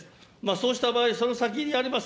そうした場合、その先にあります